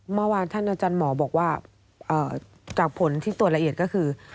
เมื่อวานท่านอาจารย์หมอบอกว่าจากผลที่ตรวจละเอียดก็คือ